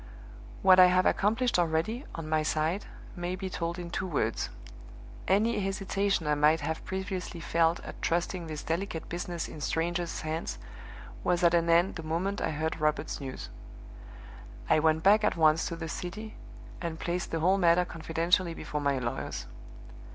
"What I have accomplished already, on my side, may be told in two words. Any hesitation I might have previously felt at trusting this delicate business in strangers' hands was at an end the moment I heard Robert's news. I went back at once to the city, and placed the whole matter confidentially before my lawyers.